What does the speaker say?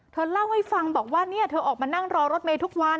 เธอเล่าให้ฟังบอกว่าเนี่ยเธอออกมานั่งรอรถเมย์ทุกวัน